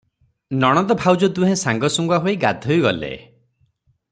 ନଣନ୍ଦ ଭାଉଜ ଦୁହେଁ ସାଙ୍ଗସୁଙ୍ଗା ହୋଇ ଗାଧୋଇ ଗଲେ ।